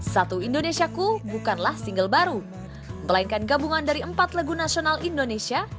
satu indonesiaku bukanlah single baru melainkan gabungan dari empat lagu nasional indonesia